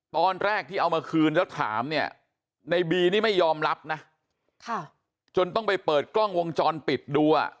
ตอนแรกที่เอามาคืนแล้วถามเนี่ยในบีนี่ไม่ยอมรับนะจนต้องไปเปิดกล้องวงจรปิดดูอ่ะ